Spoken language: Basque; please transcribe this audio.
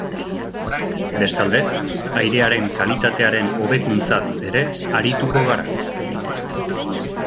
Bestalde, airearen kalitatearen hobekunzatz ere arituko gara.